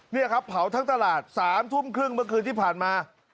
นี่ครับเผาทั้งตลาด๓ทุ่มครึ่งเมื่อคืนที่ผ่านมา